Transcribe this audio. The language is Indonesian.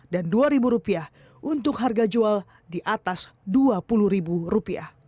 dan dua ribu rupiah untuk harga jual di atas dua puluh ribu rupiah